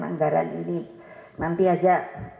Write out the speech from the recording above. anggaran ini nanti aja